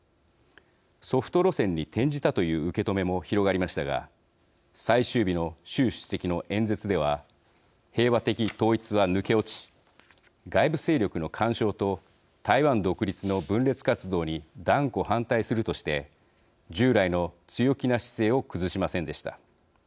ソフト路線に転じたという受け止めも広がりましたが最終日の習主席の演説では平和的統一は抜け落ち外部勢力の干渉と台湾独立の分裂活動に断固反対するとして従来の強気な姿勢を崩しませんでした。